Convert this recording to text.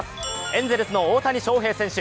エンゼルスの大谷翔平選手。